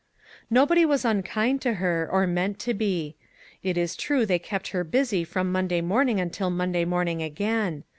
Nobody was unkind to her or meant to be. It is true they kept her busy from Monday morning until Monday morning again.